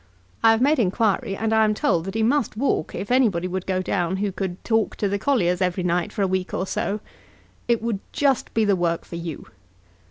I have made inquiry, and I am told that he must walk if anybody would go down who could talk to the colliers every night for a week or so. It would just be the work for you.